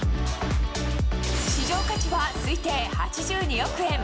市場価値は推定８２億円。